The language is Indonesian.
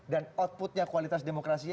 dan outputnya kualitas demokrasi juga